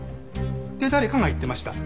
って誰かが言ってました。